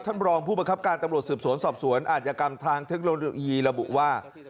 รองผู้ประคับการตำรวจสืบสวนสอบสวนอาจยกรรมทางเทคโนโลยีระบุว่า